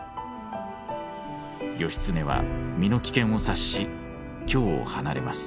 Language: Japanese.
義経は身の危険を察し京を離れます。